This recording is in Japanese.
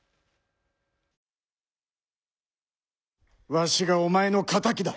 わしがお前の敵だ！